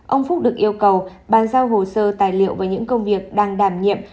ông phúc được yêu cầu ban giao hồ sơ tài liệu về những công việc đang đảm nhiệm